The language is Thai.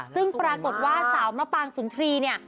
ซึ่งปรากฏว่าสาวมะปางสุนทรีย์เนี่ย